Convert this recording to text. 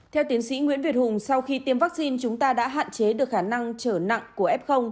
theo tiến sĩ nguyễn việt hùng sau khi tiêm vaccine chúng ta đã hạn chế được khả năng trở nặng của f